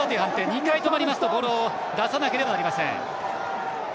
２回止まりますと、ボールを出さなければなりません。